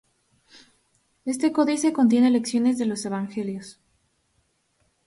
Este códice contiene lecciones de los evangelios.